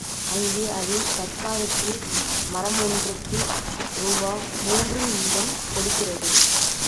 அங்கே அது சர்க்காருக்கு மரமொன்றுக்கு ரூபா மூன்று வீதம் கொடுக்கிறது.